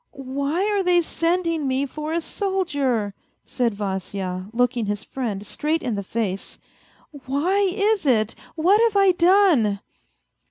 " Why are they sending me for a soldier ?" said Vasya, looking A FAINT HEART 193 his friend straight in the face. " Why is it ? What have I done